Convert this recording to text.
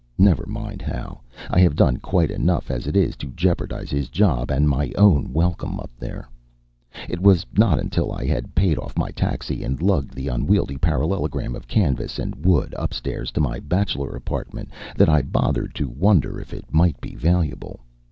Never mind how. I have done quite enough as it is to jeopardize his job and my own welcome up there. It was not until I had paid off my taxi and lugged the unwieldy parallelogram of canvas and wood upstairs to my bachelor apartment that I bothered to wonder if it might be valuable.